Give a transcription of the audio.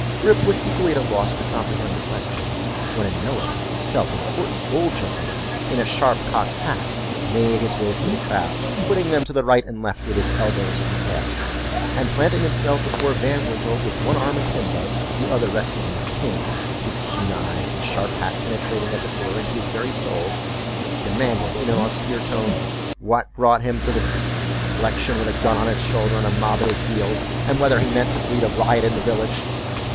Rip was equally at a loss to comprehend the question; when a knowing, self important old gentleman, in a sharp cocked hat, made his way through the crowd, putting them to the right and left with his elbows as he passed, and planting himself before Van Winkle, with one arm akimbo, the other resting on his cane, his keen eyes and sharp hat penetrating, as it were, into his very soul, demanded in an austere tone, "what brought him to the election with a gun on his shoulder, and a mob at his heels, and whether he meant to breed a riot in the village?"